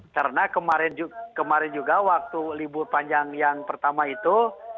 karena kemarin juga waktu libur panjang yang pertama itu